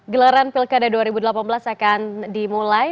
gelaran pilkada dua ribu delapan belas akan dimulai